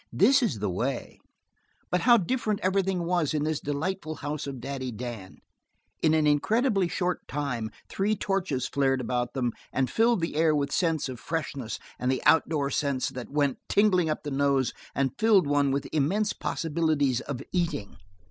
This is the way " But how different everything was in this delightful house of Daddy Dan! In an incredibly short time three torches flared about them and filled the air with scents of freshness and the outdoors scents that went tingling up the nose and filled one with immense possibilities of eating.